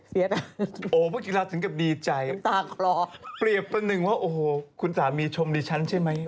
เฟียดโอ้เพราะจริงแล้วถึงกับดีใจ